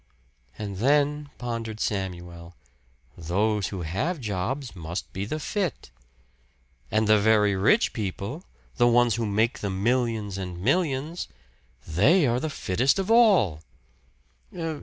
"And then," pondered Samuel, "those who have jobs must be the fit. And the very rich people the ones who make the millions and millions they are the fittest of all."